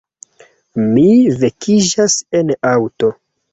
Mi vekiĝas en aŭto.